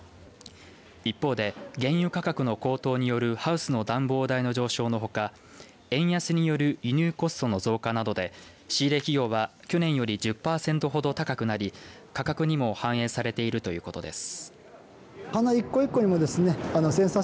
一方で、原油価格の高騰によるハウスの暖房代の上昇のほか円安による輸入コストの増加などで仕入れ費用は去年より１０パーセントほど高くなり価格にも反映されているということです。